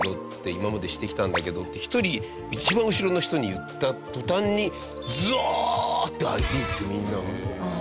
今までしてきたんだけど」って１人一番後ろの人に言った途端にザーッて開いていってみんなが。